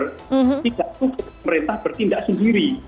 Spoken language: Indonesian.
karena itu adalah kebenaran untuk pemerintah bertindak sendiri